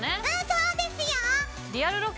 そうですよ！